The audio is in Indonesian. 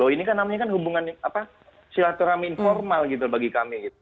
ini kan namanya hubungan silaturahmi informal bagi kami